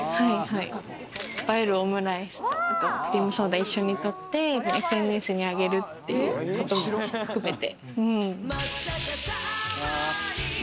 映えるオムライスとクリームソーダを一緒に撮ってＳＮＳに上げるということも含めて。